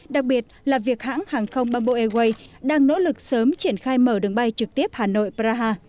đặc biệt là việc hãng hàng không bamboo airways đang nỗ lực sớm triển khai mở đường bay trực tiếp hà nội praha